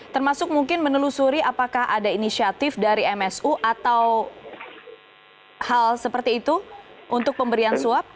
termasuk mungkin menelusuri apakah ada inisiatif dari msu atau hal seperti itu untuk pemberian suap